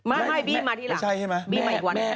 ไม่บี้มาที่หลังบี้มาอีกวัน